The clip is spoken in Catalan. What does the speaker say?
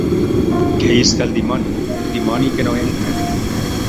Que isca el dimoni! El dimoni que no entre!